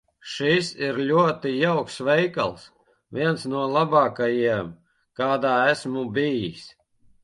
Šis ir ļoti jauks veikals. Viens no labākajiem, kādā esmu bijis.